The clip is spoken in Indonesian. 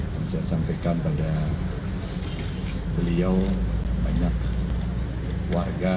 yang saya sampaikan pada beliau banyak warga